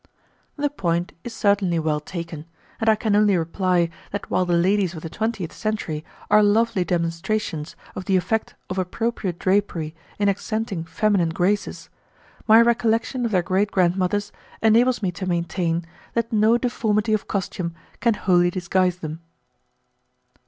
The point is certainly well taken, and I can only reply that while the ladies of the twentieth century are lovely demonstrations of the effect of appropriate drapery in accenting feminine graces, my recollection of their great grandmothers enables me to maintain that no deformity of costume can wholly disguise them.